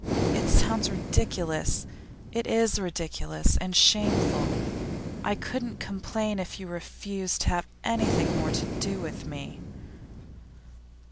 It sounds ridiculous; it is ridiculous and shameful. I couldn't complain if you refused to have anything more to do with me.